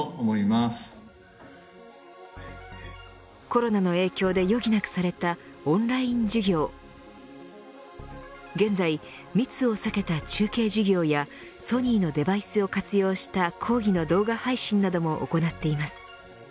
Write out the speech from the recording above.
コロナの影響で余儀なくされたオンライン授業現在、密を避けた中継授業やソニーのデバイスを活用した講義の動画配信なども行っています。